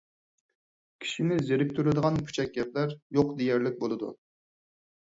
كىشىنى زېرىكتۈرىدىغان پۈچەك گەپلەر يوق دېيەرلىك بولىدۇ.